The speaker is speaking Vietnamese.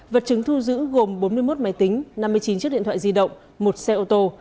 vật chứng thu giữ gồm bốn mươi một máy tính năm mươi chín chiếc điện thoại di động một xe ô tô